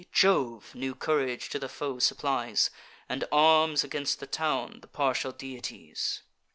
Jove new courage to the foe supplies, And arms against the town the partial deities.